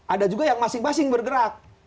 ada juga yang masing masing bergerak